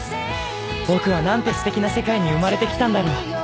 僕はなんて素敵な世界に生まれてきたんだろう